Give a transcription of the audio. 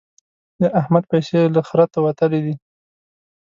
د احمد پيسې له خرته وتلې دي.